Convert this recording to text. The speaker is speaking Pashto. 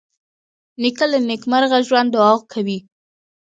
نیکه له نیکمرغه ژوند دعا کوي.